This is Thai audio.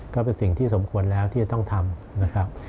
ก็เป็นสิ่งที่สมควรแล้วที่จะต้องทำนะครับ